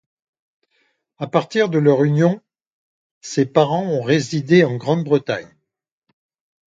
À partir de leur union, ses parents ont résidé en Grande-Bretagne.